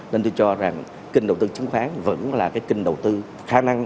nên tôi cho rằng kinh đầu tư chứng khoán vẫn là kinh đầu tư khả năng